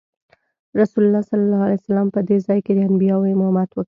رسول الله صلی الله علیه وسلم په دې ځای کې د انبیاوو امامت وکړ.